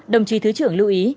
đồng chí thứ trưởng lưu ý